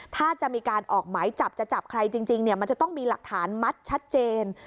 ถ้าจะมีการออกหมายจับจะจับใครจริงเนี่ยมันจะต้องมีหลักฐานมัดชัดเจน